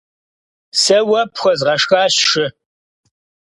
Сэ уэ пхуэзгъэшхащ шы.